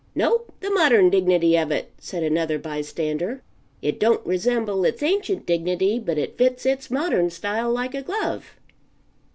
"No, the modern dignity of it," said another by stander. "It don't resemble its ancient dignity but it fits its modern style like a glove."